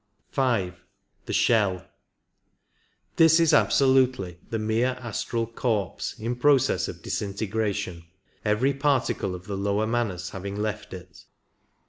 5. The Shell. This is absolutely the mere astral corpse in process of disintegration, every particle of the lower Manas having left it.